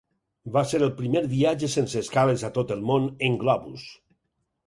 Va ser el primer viatge sense escales a tot el món en globus.